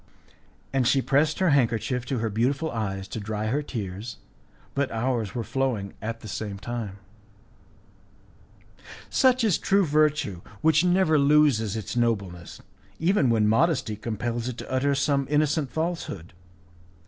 And she pressed her handkerchief to her beautiful eyes to dry her tears, but ours were flowing at the same time. Such is true virtue, which never loses its nobleness, even when modesty compels it to utter some innocent falsehood.